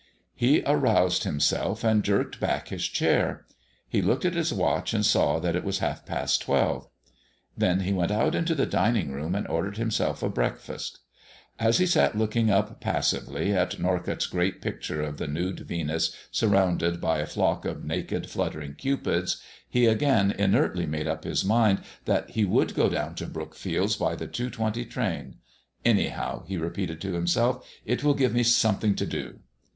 He aroused himself and jerked back his chair. He looked at his watch and saw that it was half past twelve. Then he went up into the dining room and ordered himself a breakfast. As he sat looking up, passively, at Norcott's great picture of the nude Venus surrounded by a flock of naked, fluttering Cupids, he again inertly made up his mind that he would go down to Brookfield by the two twenty train. "Anyhow," he repeated to himself, "it will give me something to do."